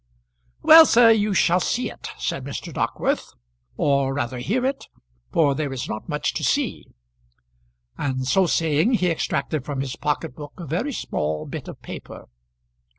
"Well, sir, you shall see it," said Mr. Dockwrath; "or rather hear it, for there is not much to see." And so saying he extracted from his pocket book a very small bit of paper.